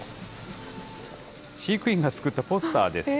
飼育員が作ったポスターです。